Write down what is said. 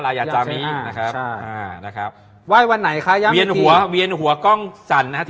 เล็กเล็กเล็กเล็กเล็กเล็กเล็กเล็ก